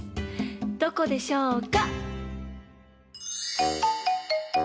どこでしょうか？